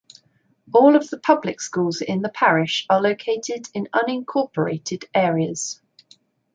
All of the public schools in the parish are located in unincorporated areas.